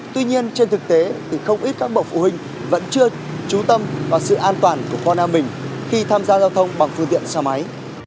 tuy nhiên trên thực tế thì không ít các bậc phụ huynh vẫn chưa trú tâm vào sự an toàn của con em mình khi tham gia giao thông bằng phương tiện xe máy